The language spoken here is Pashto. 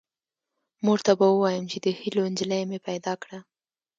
مور ته به ووایم چې د هیلو نجلۍ مې پیدا کړه